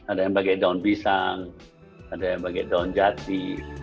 ada yang pakai daun pisang ada yang pakai daun jati